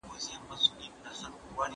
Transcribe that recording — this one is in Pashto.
زه هره ورځ لرګي راوړم!؟